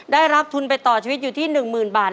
ได้รับทุนไปต่อชีวิตอยู่ที่๑๐๐๐บาท